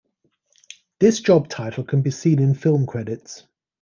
This job title can be seen in film credits.